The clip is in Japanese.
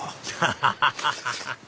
ハハハハハ！